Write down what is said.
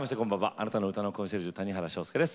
あなたの歌のコンシェルジュ谷原章介です。